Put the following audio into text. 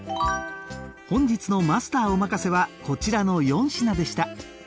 本日のマスターおまかせはこちらの４品でした。